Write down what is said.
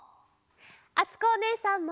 あつこおねえさんも！